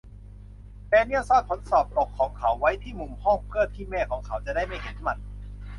แดเนียลซ่อนผลสอบตกของเขาไว้ที่มุมห้อง เพื่อที่แม่ของเขาจะได้ไม่เห็นมัน